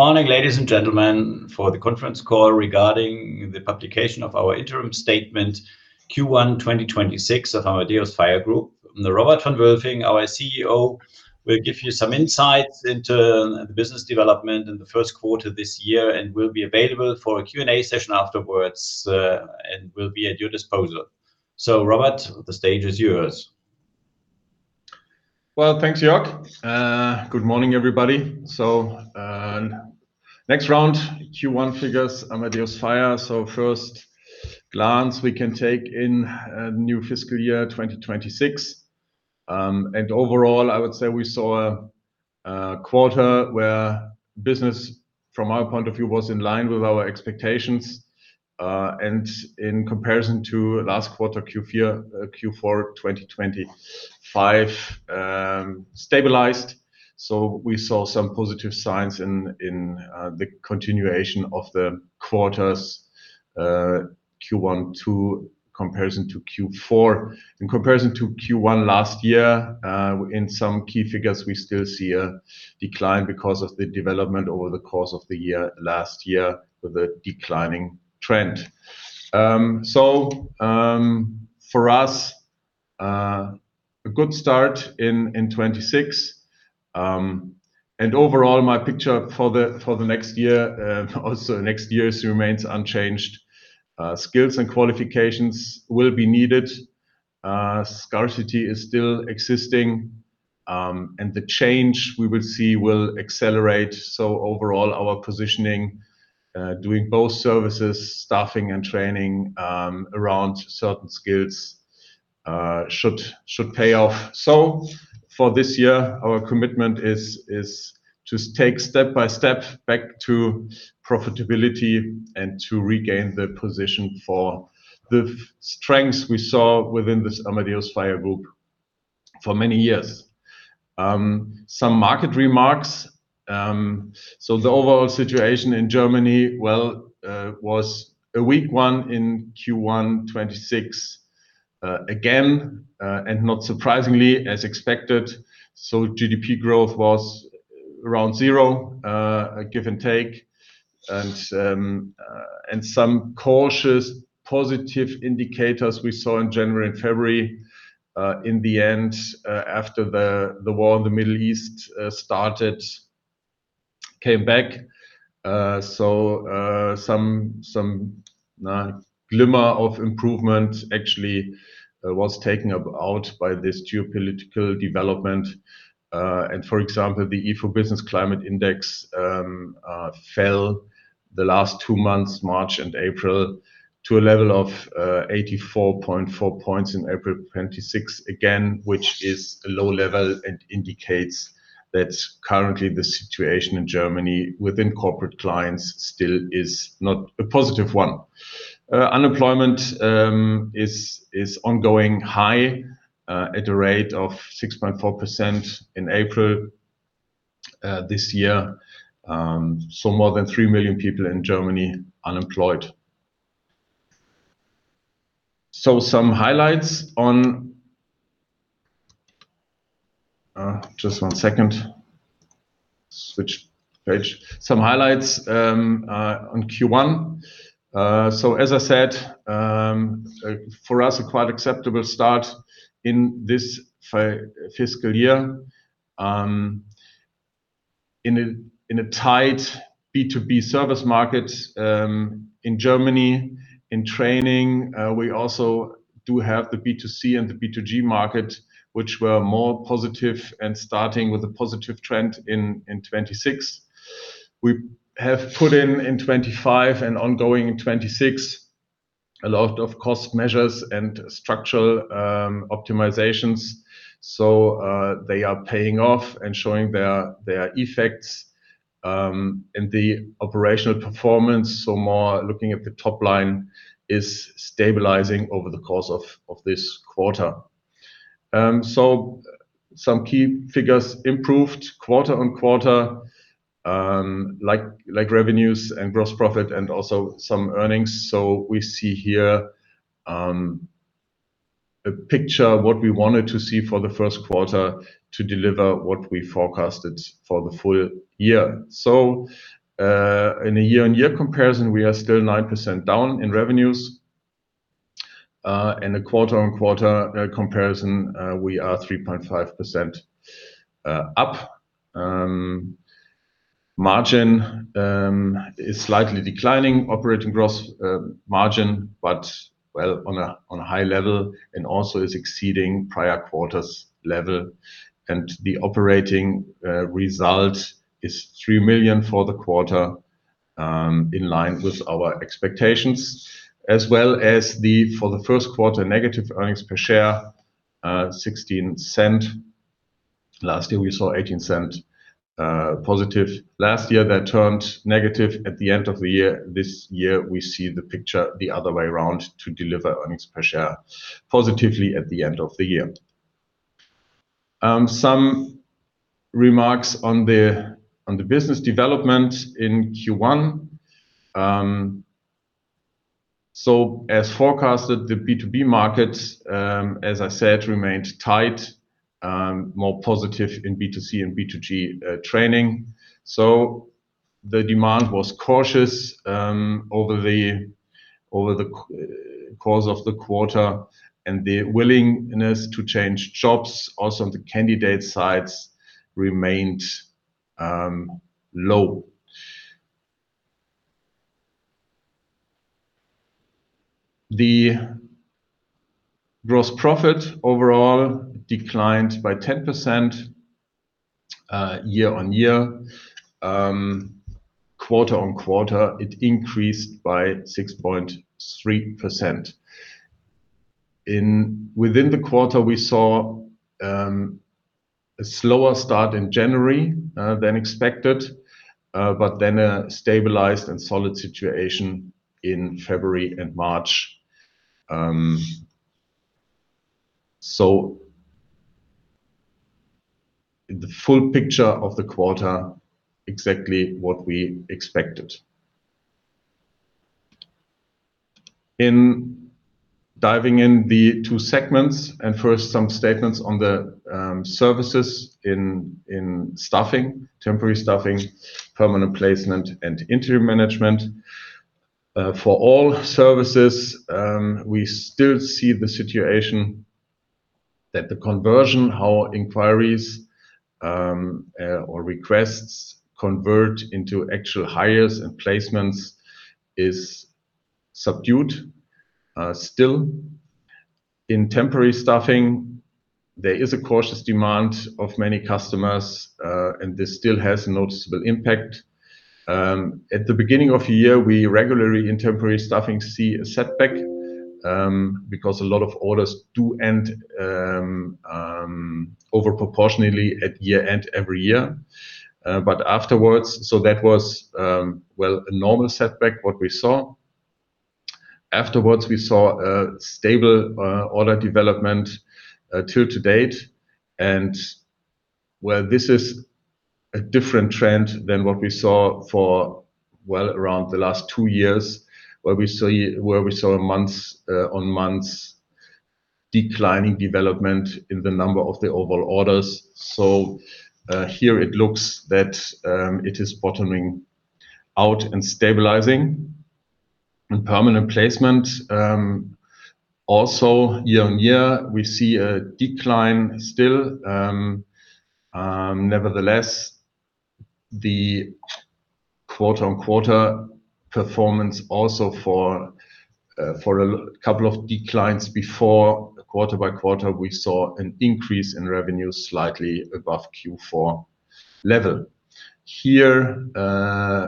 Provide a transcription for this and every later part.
Morning, ladies and gentlemen, for the conference call regarding the publication of our interim statement Q1 2026 of Amadeus Fire Group. Robert von Wülfing, our CEO, will give you some insights into the business development in the first quarter this year and will be available for a Q&A session afterwards and will be at your disposal. Robert, the stage is yours. Well, thanks Jörg. Good morning everybody. Next round, Q1 figures, Amadeus Fire. First glance we can take in a new fiscal year, 2026. Overall, I would say we saw a quarter where business from our point of view was in line with our expectations. In comparison to last quarter, Q4 2025, stabilized. We saw some positive signs in the continuation of the quarters, Q1 to comparison to Q4. In comparison to Q1 last year, in some key figures we still see a decline because of the development over the course of the year, last year with a declining trend. For us, a good start in 2026. Overall my picture for the next year, also next year remains unchanged. Skills and qualifications will be needed. Scarcity is still existing, and the change we will see will accelerate. Overall, our positioning, doing both services, staffing and training, around certain skills, should pay off. For this year, our commitment is to take step by step back to profitability and to regain the position for the strengths we saw within this Amadeus Fire Group for many years. Some market remarks. The overall situation in Germany, well, was a weak one in Q1 2026, again, and not surprisingly as expected. GDP growth was around zero, give and take. Some cautious positive indicators we saw in January and February, in the end, after the war in the Middle East started, came back. Some glimmer of improvement actually was taken out by this geopolitical development. For example, the ifo Business Climate Index fell the last two months, March and April, to a level of 84.4 points in April 26. Again, which is a low level and indicates that currently the situation in Germany within corporate clients still is not a positive one. Unemployment is ongoing high at a rate of 6.4% in April this year. More than 3 million people in Germany unemployed. Some highlights on, just one second. Switch page. Some highlights on Q1. As I said, for us, a quite acceptable start in this fiscal year, in a tight B2B service market in Germany. In training, we also do have the B2C and the B2G market, which were more positive and starting with a positive trend in 2026. We have put in in 2025 and ongoing in 2026 a lot of cost measures and structural optimizations. They are paying off and showing their effects in the operational performance. More looking at the top line is stabilizing over the course of this quarter. Some key figures improved quarter-on-quarter, like revenues and gross profit and also some earnings. We see here a picture of what we wanted to see for the first quarter to deliver what we forecasted for the full year. In a year-on-year comparison, we are still 9% down in revenues. In a quarter-on-quarter comparison, we are 3.5% up. Margin is slightly declining, operating gross margin, well on a high level and also is exceeding prior quarters level. The operating result is 3 million for the quarter, in line with our expectations. As well as the, for the first quarter, negative earnings per share, 0.16. Last year we saw 0.18 positive. Last year that turned negative at the end of the year. This year we see the picture the other way around to deliver earnings per share positively at the end of the year. Some remarks on the business development in Q1. As forecasted, the B2B market, as I said, remained tight, more positive in B2C and B2G training. The demand was cautious over the course of the quarter, and the willingness to change jobs, also on the candidate sides, remained low. The gross profit overall declined by 10% year-on-year. Quarter-on-quarter, it increased by 6.3%. Within the quarter, we saw a slower start in January than expected, but then a stabilized and solid situation in February and March. The full picture of the quarter was exactly what we expected. In diving in the two segments, and first some statements on the services in staffing, temporary staffing, permanent placement, and interim management. For all services, we still see the situation that the conversion, how inquiries or requests convert into actual hires and placements is subdued still. In temporary staffing, there is a cautious demand of many customers, and this still has a noticeable impact. At the beginning of the year, we regularly in temporary staffing see a setback because a lot of orders do end over proportionally at year-end every year. Afterwards, that was, well, a normal setback what we saw. Afterwards, we saw a stable order development till to date. Well, this is a different trend than what we saw for, well, around the last two years, where we saw month-over-month declining development in the number of the overall orders. Here it looks that it is bottoming out and stabilizing. In permanent placement, also year-on-year, we see a decline still. Nevertheless, the quarter-on-quarter performance also for a couple of declines before quarter-by-quarter, we saw an increase in revenue slightly above Q4 level. Here,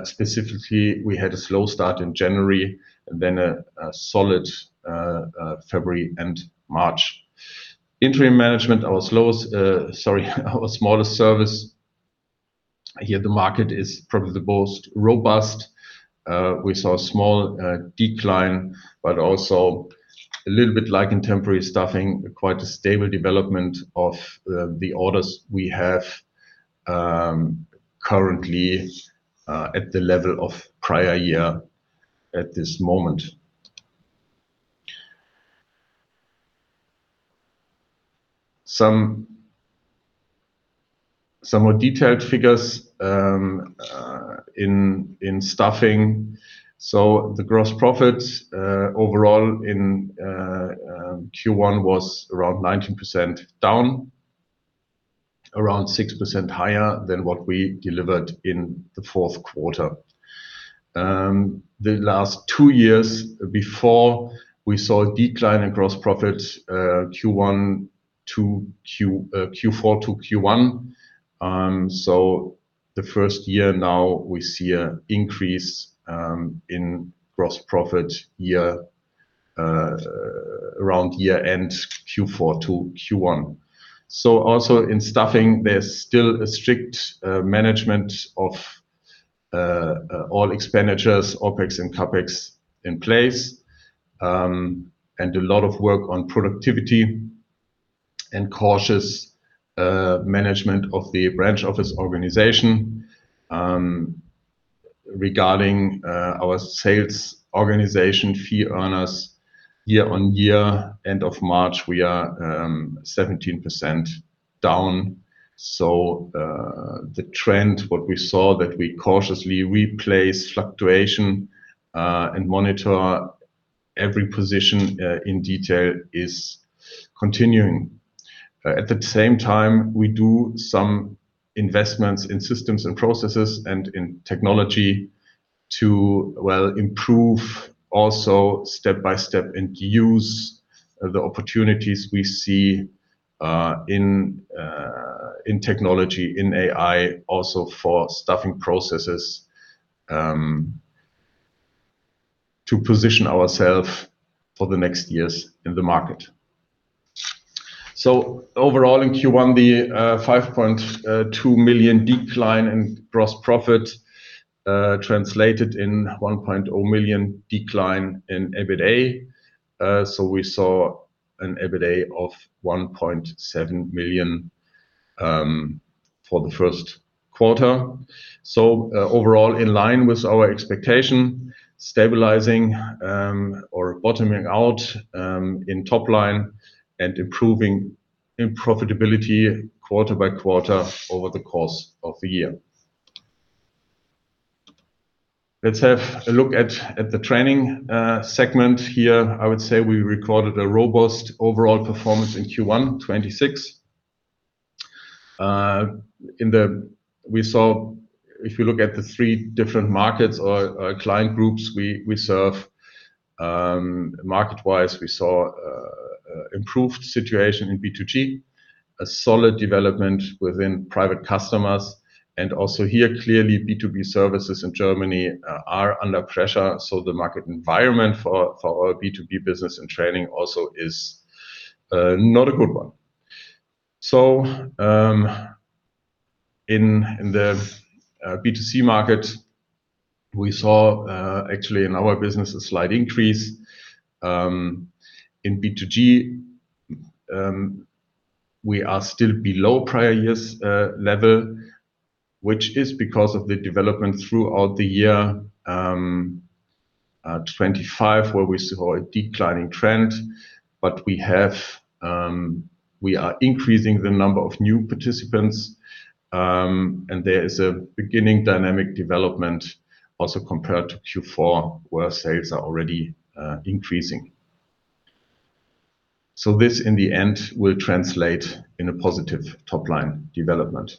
specifically, we had a slow start in January and then a solid February and March. Interim management, our slowest, our smallest service. Here the market is probably the most robust. We saw a small decline, but also a little bit like in temporary staffing, quite a stable development of the orders we have currently at the level of prior year at this moment. Some more detailed figures in staffing. The gross profit overall in Q1 was around 19% down, around 6% higher than what we delivered in the fourth quarter. The last two years before we saw a decline in gross profit, Q4 to Q1. The first year now we see a increase in gross profit year, around year-end Q4 to Q1. Also in staffing, there's still a strict management of all expenditures, OpEx and CapEx in place, and a lot of work on productivity and cautious management of the branch office organization. Regarding our sales organization fee earners year-on-year end of March, we are 17% down. The trend, what we saw that we cautiously replace fluctuation, and monitor every position in detail is continuing. At the same time, we do some investments in systems and processes and in technology to, well, improve also step-by-step and use the opportunities we see in technology, in AI also for staffing processes, to position ourself for the next years in the market. Overall in Q1, the 5.2 million decline in gross profit translated in 1.0 million decline in EBITDA. We saw an EBITDA of 1.7 million for the first quarter. Overall in line with our expectation, stabilizing or bottoming out in top line and improving in profitability quarter-by-quarter over the course of the year. Let's have a look at the training segment here. I would say we recorded a robust overall performance in Q1 2026. We saw If you look at the three different markets or client groups we serve, market-wise, we saw improved situation in B2G, a solid development within private customers, and also here, clearly B2B services in Germany are under pressure. The market environment for our B2B business and training also is not a good one. In the B2C market, we saw actually in our business a slight increase. In B2G, we are still below prior years' level, which is because of the development throughout the year 2025, where we saw a declining trend. We have we are increasing the number of new participants, and there is a beginning dynamic development also compared to Q4, where sales are already increasing. This, in the end, will translate in a positive top-line development.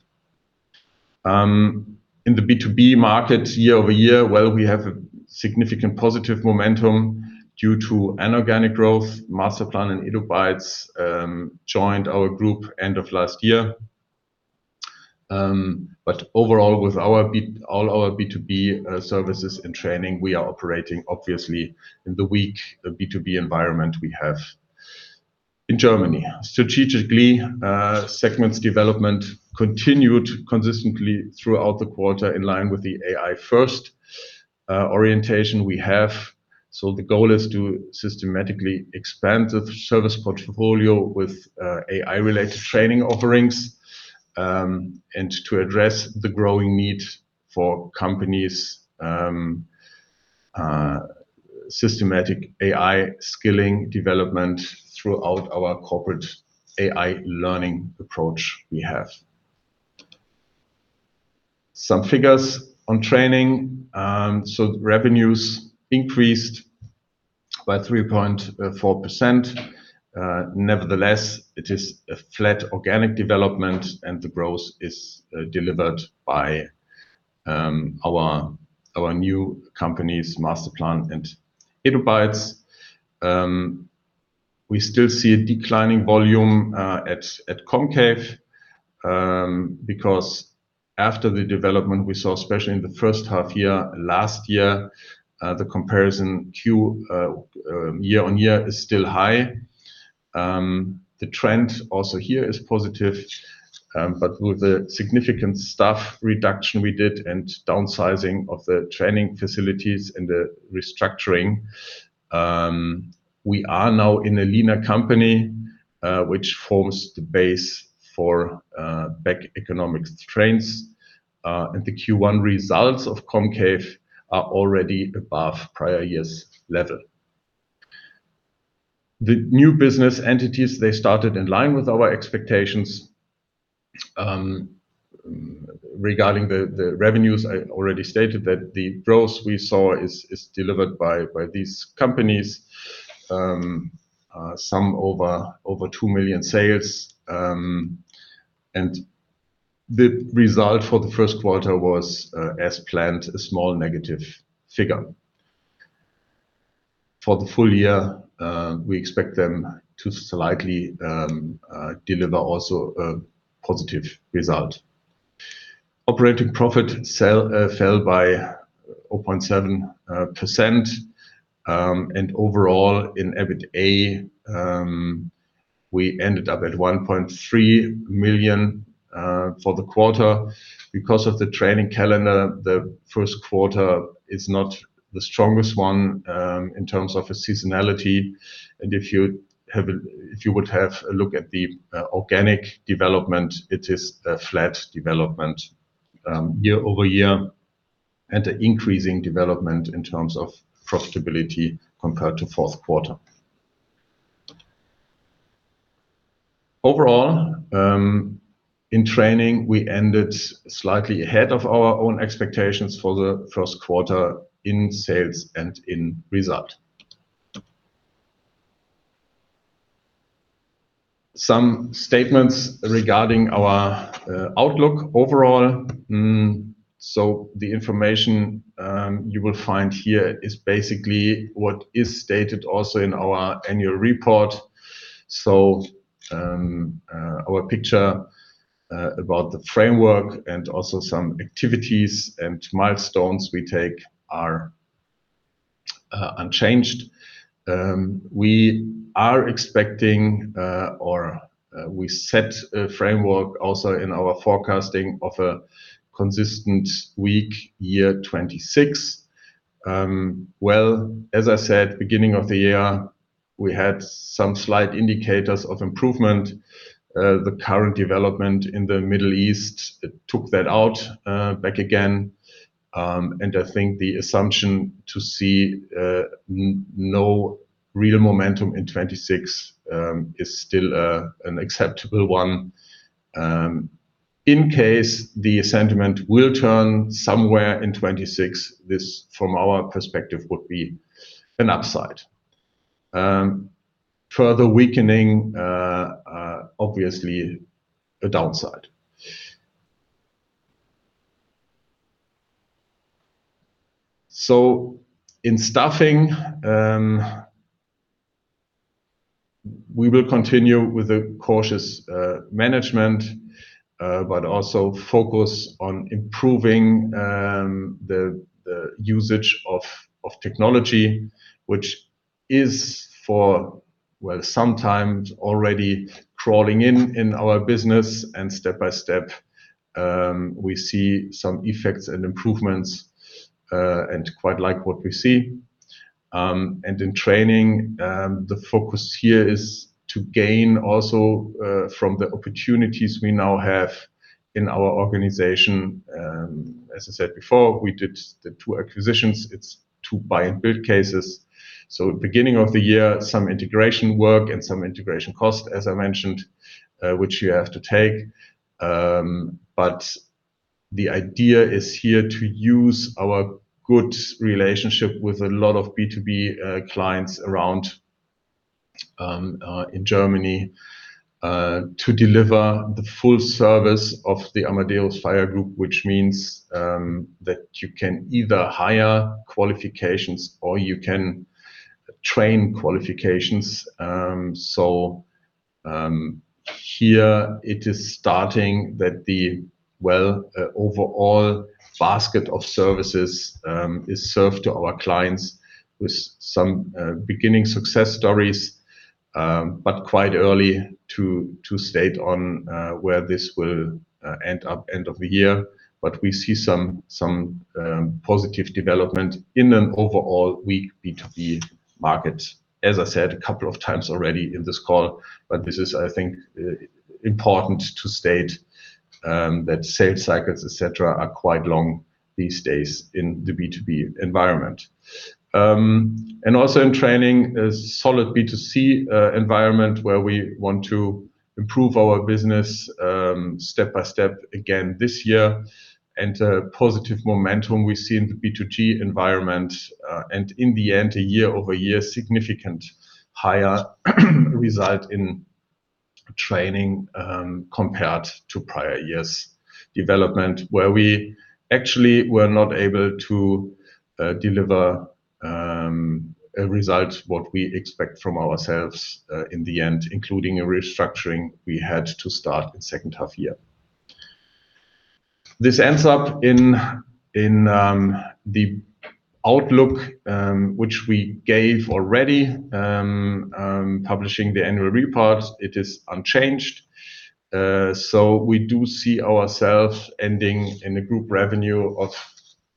In the B2B market year-over-year, we have a significant positive momentum due to inorganic growth. Masterplan and eduBITES joined our group end of last year. Overall, with all our B2B services and training, we are operating obviously in the weak B2B environment we have in Germany. Strategically, segments development continued consistently throughout the quarter in line with the AI-first orientation we have. The goal is to systematically expand the service portfolio with AI-related training offerings and to address the growing need for companies' systematic AI skilling development throughout our corporate AI learning approach we have. Some figures on training. Revenues increased by 3.4%. Nevertheless, it is a flat organic development, and the growth is delivered by our new companies, Masterplan and eduBITES. We still see a declining volume at COMCAVE, because after the development we saw, especially in the first half year last year, the comparison Q year-on-year is still high. The trend also here is positive, but with a significant staff reduction we did and downsizing of the training facilities and the restructuring, we are now in a leaner company, which forms the base for back economic strengths. The Q1 results of COMCAVE are already above prior years' level. The new business entities, they started in line with our expectations. Regarding the revenues, I already stated that the growth we saw is delivered by these companies. Some over EUR 2 million sales. The result for the first quarter was, as planned, a small negative figure. For the full year, we expect them to slightly deliver also a positive result. Operating profit fell by 0.7%. Overall in EBITA, we ended up at 1.3 million for the quarter. Because of the training calendar, the first quarter is not the strongest one in terms of a seasonality. If you would have a look at the organic development, it is a flat development year-over-year, and an increasing development in terms of profitability compared to fourth quarter. Overall, in training, we ended slightly ahead of our own expectations for the first quarter in sales and in result. Some statements regarding our outlook overall. The information you will find here is basically what is stated also in our annual report. Our picture about the framework and also some activities and milestones we take are unchanged. We are expecting, or we set a framework also in our forecasting of a consistent weak year 2026. Well, as I said, beginning of the year, we had some slight indicators of improvement. The current development in the Middle East took that out back again. I think the assumption to see no real momentum in 2026 is still an acceptable one. In case the sentiment will turn somewhere in 2026, this, from our perspective, would be an upside. Further weakening obviously a downside. In staffing, we will continue with a cautious management, but also focus on improving the usage of technology, which is for, well, some time already crawling in our business. Step by step, we see some effects and improvements, and quite like what we see. In training, the focus here is to gain also from the opportunities we now have in our organization. As I said before, we did the two acquisitions. It's to buy and build cases. Beginning of the year, some integration work and some integration cost, as I mentioned, which you have to take. The idea is here to use our good relationship with a lot of B2B clients around in Germany to deliver the full service of the Amadeus Fire Group, which means that you can either hire qualifications or you can train qualifications. Here it is starting that the overall basket of services is served to our clients with some beginning success stories. Quite early to state on where this will end up end of the year. We see some positive development in an overall weak B2B market. As I said a couple of times already in this call, but this is, I think, important to state that sales cycles, et cetera, are quite long these days in the B2B environment. Also in training, a solid B2C environment where we want to improve our business step by step again this year. A positive momentum we see in the B2G environment. In the end, a year-over-year significant higher result in training compared to prior years' development, where we actually were not able to deliver a result what we expect from ourselves in the end, including a restructuring we had to start in second half year. This ends up in the outlook which we gave already publishing the annual report. It is unchanged. We do see ourself ending in a group revenue of,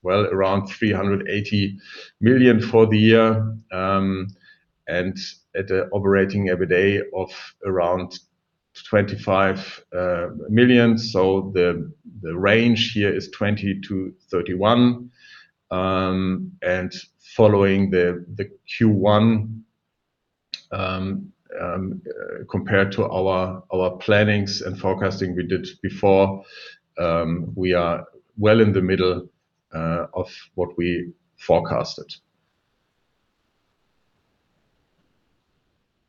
well, around 380 million for the year, and at a operating EBITDA of around 25 million. The range here is 20 million-31 million. Following the Q1, compared to our plannings and forecasting we did before, we are well in the middle of what we forecasted.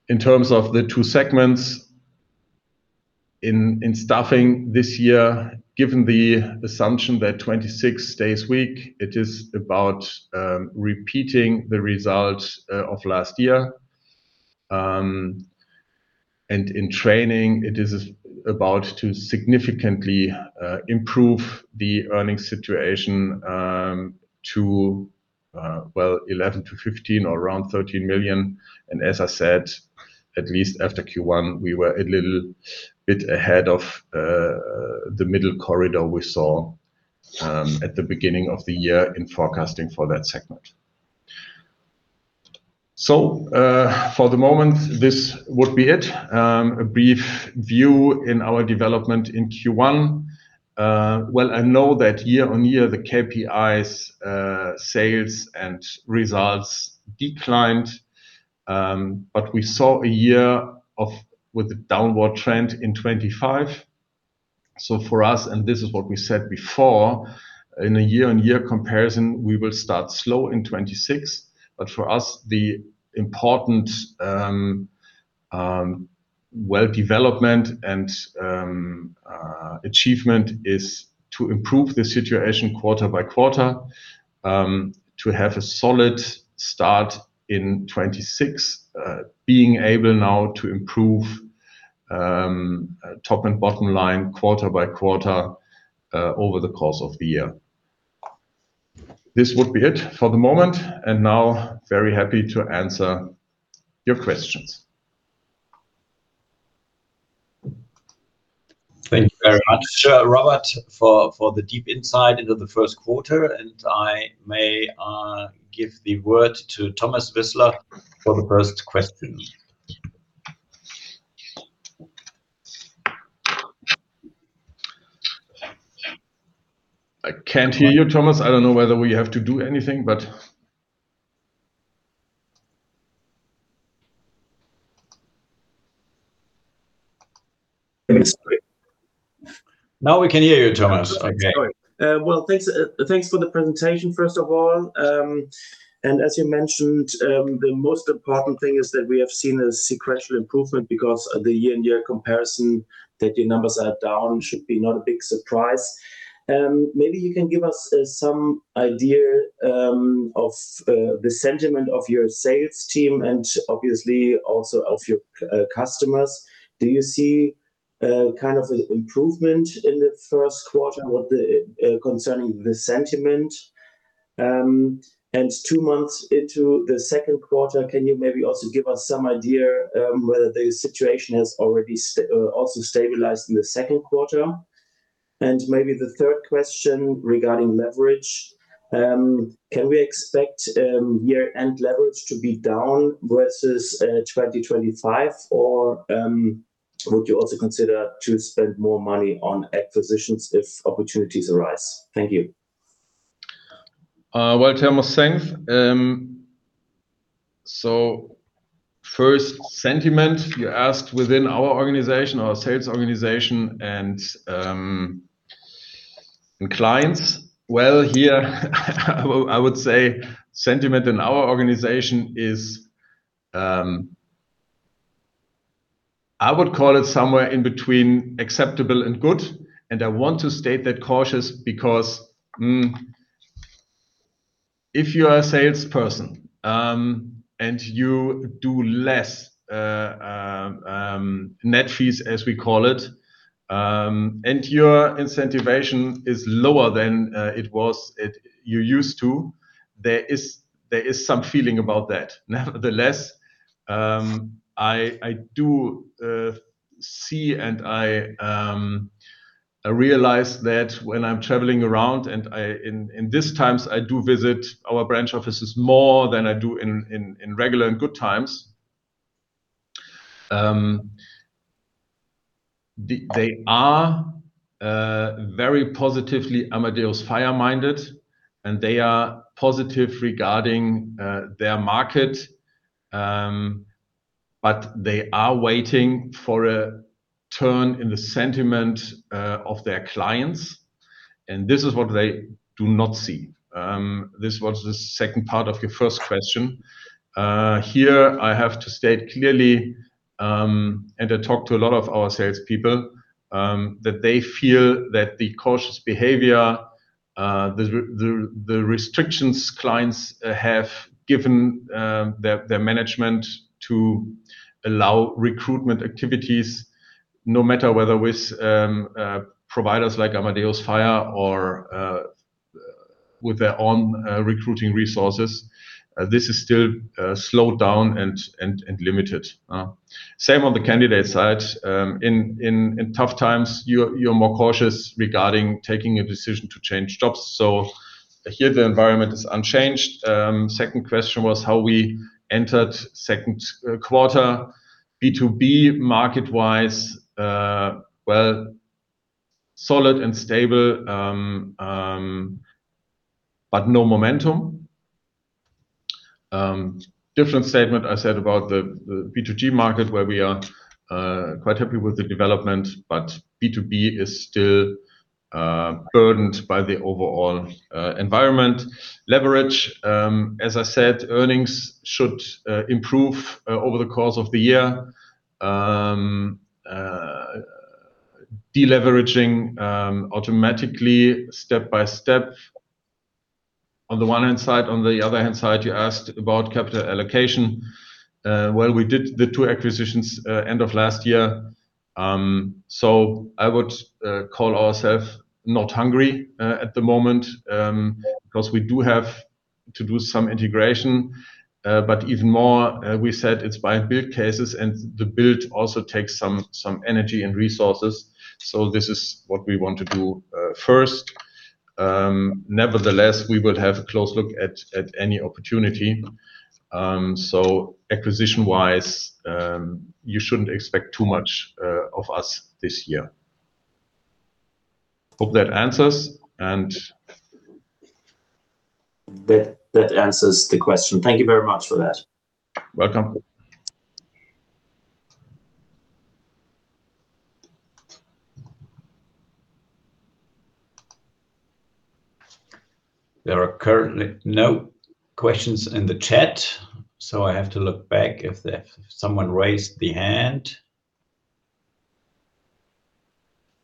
In terms of the two segments, in staffing this year, given the assumption that 2026 stays weak, it is about repeating the results of last year. In training, it is about to significantly improve the earnings situation to 11 million-15 million or around 13 million. As I said, at least after Q1, we were a little bit ahead of the middle corridor we saw at the beginning of the year in forecasting for that segment. For the moment, this would be it. A brief view in our development in Q1. I know that year-on-year, the KPIs, sales and results declined. We saw a year with a downward trend in 2025. For us, and this is what we said before, in a year-on-year comparison, we will start slow in 2026. For us, the important development and achievement is to improve the situation quarter-by-quarter, to have a solid start in 2026, being able now to improve top and bottom line quarter-by-quarter over the course of the year. This would be it for the moment. Now very happy to answer your questions. Thank you very much, Robert, for the deep insight into the first quarter. I may give the word to Thomas Wissler for the first question. I can't hear you, Thomas. I don't know whether we have to do anything. Now we can hear you, Thomas. Okay. Sorry. Thanks, thanks for the presentation, first of all. As you mentioned, the most important thing is that we have seen a sequential improvement because of the year-on-year comparison that your numbers are down should be not a big surprise. Maybe you can give us some idea of the sentiment of your sales team and obviously also of your customers. Do you see kind of an improvement in the first quarter concerning the sentiment? Two months into the second quarter, can you maybe also give us some idea whether the situation has already stabilized in the second quarter? Maybe the third question regarding leverage, can we expect year-end leverage to be down versus 2025? Would you also consider to spend more money on acquisitions if opportunities arise? Thank you. Thomas, thanks. First sentiment you asked within our organization, our sales organization, and clients. Here I would say sentiment in our organization is, I would call it somewhere in between acceptable and good. I want to state that cautious because, if you are a salesperson, and you do less net fees, as we call it, and your incentivization is lower than it was, you used to, there is some feeling about that. I do see and I realize that when I'm traveling around and I, in these times I do visit our branch offices more than I do in regular and good times. They are very positively Amadeus Fire-minded, and they are positive regarding their market. They are waiting for a turn in the sentiments of their clients, and this is what they do not see. This was the second part of your first question. Here I have to state clearly, and I talk to a lot of our salespeople, that they feel that the cautious behavior, the restrictions clients have given their management to allow recruitment activities, no matter whether with providers like Amadeus Fire or with their own recruiting resources, this is still slowed down and limited. Same on the candidate side. In tough times, you're more cautious regarding taking a decision to change jobs. Here the environment is unchanged. Second question was how we entered second quarter. B2B market-wise, well, solid and stable, but no momentum. Different statement I said about the B2G market where we are quite happy with the development, but B2B is still burdened by the overall environment. Leverage, as I said, earnings should improve over the course of the year. De-leveraging automatically step by step on the one hand side. On the other hand side, you asked about capital allocation. Well, we did the two acquisitions end of last year. I would call ourself not hungry at the moment because we do have to do some integration. Even more, we said it's buy and build cases, and the build also takes some energy and resources. This is what we want to do first. Nevertheless, we would have a close look at any opportunity. So acquisition-wise, you shouldn't expect too much of us this year. Hope that answers. That answers the question. Thank you very much for that. Welcome. There are currently no questions in the chat, I have to look back if someone raised the hand.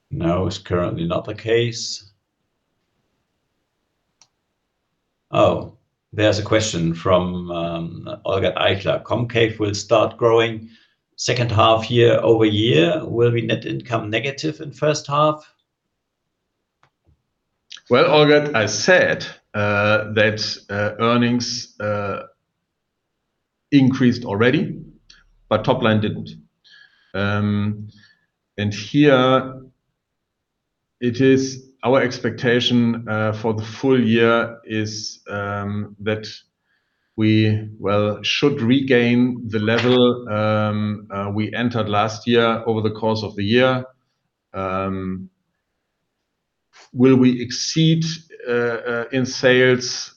No, it's currently not the case. Oh, there's a question from Olga Eichler. "COMCAVE will start growing second half year-over-year. Will be net income negative in first half? Well, Olga, I said that earnings increased already, but top line didn't. Here it is our expectation for the full year is that we, well, should regain the level we entered last year over the course of the year. Will we exceed in sales?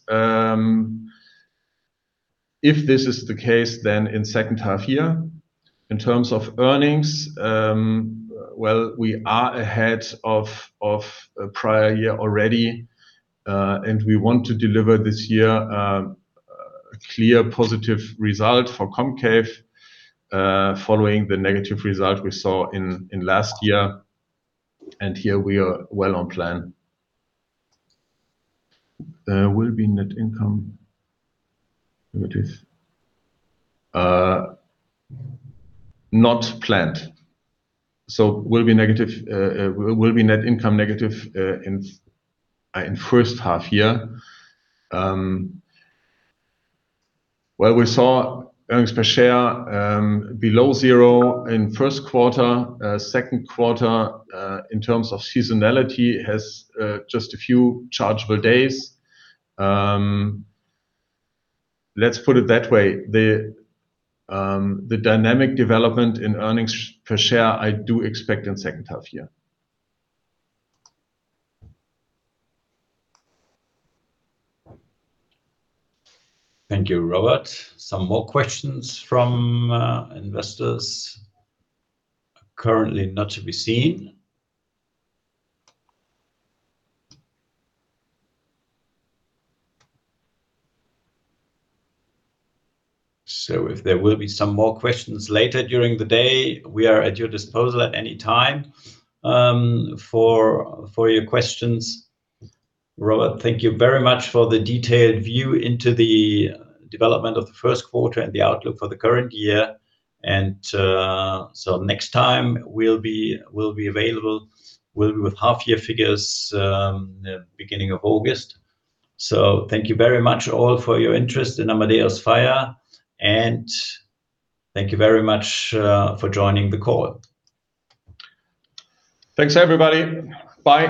If this is the case, then in second half year. In terms of earnings, well, we are ahead of prior year already. We want to deliver this year a clear positive result for COMCAVE following the negative result we saw in last year. Here we are well on plan. There will be net income. Where it is? Not planned. Will be net income negative in first half year. Well, we saw earnings per share below zero in first quarter. Second quarter, in terms of seasonality, has just a few chargeable days. Let's put it that way. The dynamic development in earnings per share I do expect in second half year. Thank you, Robert. Some more questions from investors. Currently not to be seen. If there will be some more questions later during the day, we are at your disposal at any time for your questions. Robert, thank you very much for the detailed view into the development of the first quarter and the outlook for the current year. Next time we'll be available. We'll be with half year figures beginning of August. Thank you very much all for your interest in Amadeus Fire, and thank you very much for joining the call. Thanks everybody. Bye.